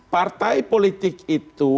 partai politik itu